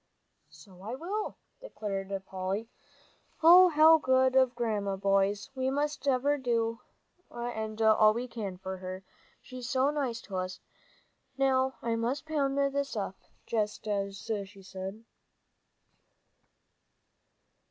"So I will," declared Polly. "Oh, how good of Grandma! Boys, we must do ever and all we can for her, she's so nice to us. Now I must pound this up, just as she said."